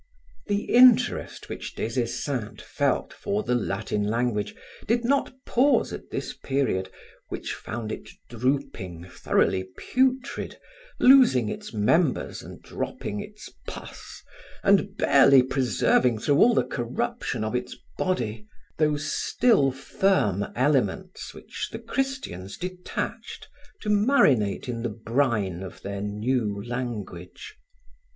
The interest which Des Esseintes felt for the Latin language did not pause at this period which found it drooping, thoroughly putrid, losing its members and dropping its pus, and barely preserving through all the corruption of its body, those still firm elements which the Christians detached to marinate in the brine of their new language.